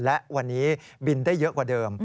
และวันนี้บินได้เยอะกว่าเดิม